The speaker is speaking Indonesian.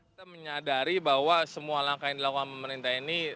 kita menyadari bahwa semua langkah yang dilakukan pemerintah ini